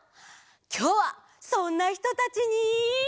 きょうはそんなひとたちに。